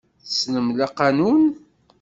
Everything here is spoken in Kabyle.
Tessnem laqanun.